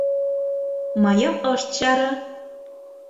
Мыйым ышт чаре.